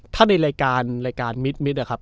ถ้าในรายการรายการมิดอะครับ